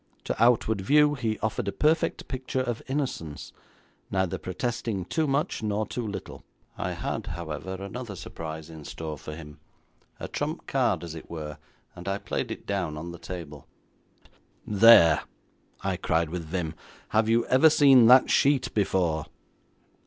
To outward view he offered a perfect picture of innocence, neither protesting too much nor too little. I had, however, another surprise in store for him, a trump card, as it were, and I played it down on the table. 'There!' I cried with vim, 'have you ever seen that sheet before?'